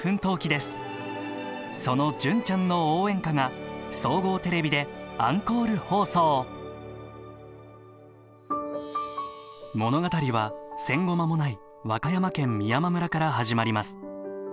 その「純ちゃんの応援歌」が総合テレビでアンコール放送物語は戦後間もない和歌山県美山村から始まります。